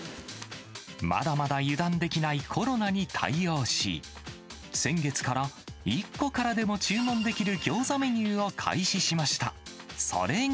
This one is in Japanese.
まだまだ油断できないコロナに対応し、先月から１個からでも注文できるギョーザメニューを開始しました。